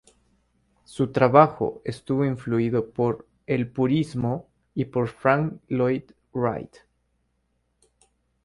Su trabajo estuvo influido por el purismo y por Frank Lloyd Wright.